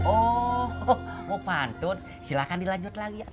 oh mau pantun silahkan dilanjut lagi